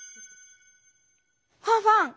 ファンファン！